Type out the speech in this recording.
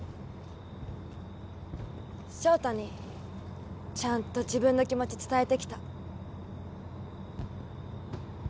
翔太にちゃんと自分の気持ち伝えてきた